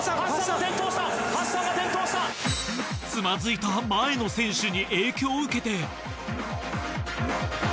つまずいた前の選手に影響を受けて。